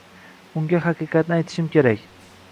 Unga haqiqatni aytishim kerak